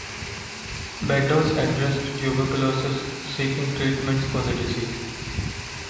Beddoes addressed tuberculosis, seeking treatments for the disease.